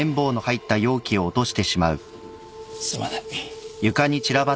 すまない。